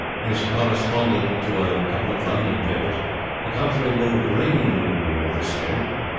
He's correspondent to a couple of London papers. The country will ring with this thing.